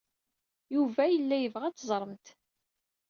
Yuba yella yebɣa ad teẓremt.